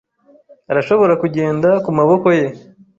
arashobora kugenda kumaboko ye.